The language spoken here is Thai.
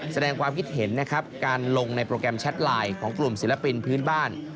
แสดงความคิดเห็นนะครับการลงในโปรแกรมแชทไลน์ของกลุ่มศิลปินพื้นบ้าน